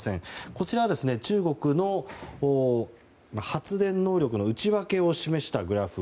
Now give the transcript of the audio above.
こちらは、中国の発電能力の内訳を示したグラフ。